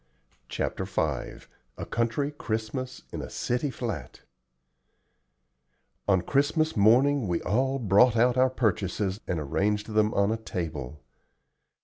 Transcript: CHAPTER V A COUNTRY CHRISTMAS IN A CITY FLAT On Christmas morning we all brought out our purchases and arranged them on a table.